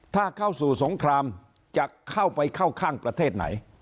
ถ้าเข้าสู่สงครามจะเข้าไปเข้าข้างประเทศไหน